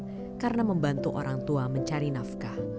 saya pengajar tak terhitung sudah berapa banyak siswa yang harus putus sekolah